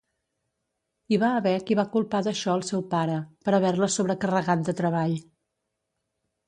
Hi va haver qui va culpar d'això el seu pare, per haver-la sobrecarregat de treball.